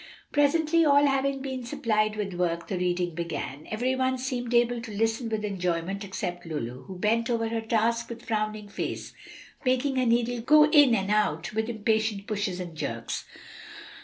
Presently, all having been supplied with work, the reading began. Every one seemed able to listen with enjoyment except Lulu, who bent over her task with frowning face, making her needle go in and out with impatient pushes and jerks.